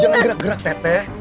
jangan gerak gerak tete